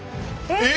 えっ！